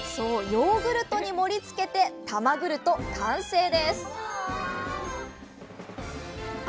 ヨーグルトに盛りつけて「たまグルト」完成です！